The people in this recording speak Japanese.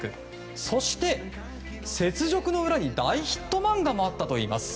そして、雪辱の裏に大ヒット漫画もあったといいます。